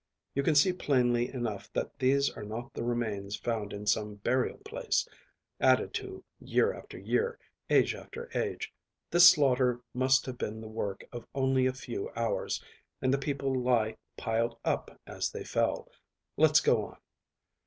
You can see plainly enough that these are not the remains found in some burial place, added to year after year, age after age. This slaughter must have been the work of only a few hours, and the people lie piled up as they fell. Let's go on."